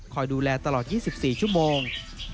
ดูแลตลอด๒๔ชั่วโมง